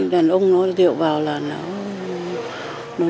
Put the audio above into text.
đàn ông nó điệu vào là nó